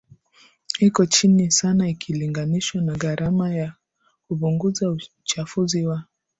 iko chini sana ikilinganishwa na gharama ya kupunguza uchafuzi wa